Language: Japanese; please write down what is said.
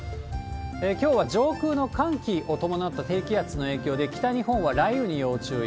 きょうは上空の寒気を伴った低気圧の影響で、北日本は雷雨に要注意。